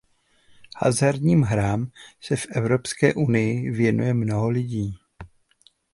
Hazardním hrám se v Evropské unii věnuje mnoho lidí.